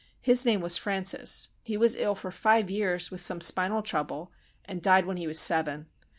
His name was Francis. He was ill for five years with some spinal trouble, and died when he was seven.